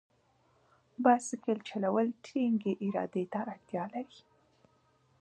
بایسکل چلول ټینګې ارادې ته اړتیا لري.